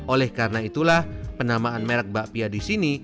oleh karena itulah penamaan merek bakpia di sini